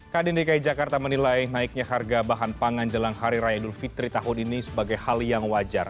kadin dki jakarta menilai naiknya harga bahan pangan jelang hari raya idul fitri tahun ini sebagai hal yang wajar